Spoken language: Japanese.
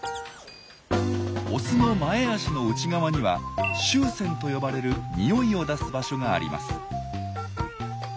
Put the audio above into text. オスの前足の内側には臭腺と呼ばれる臭いを出す場所があります。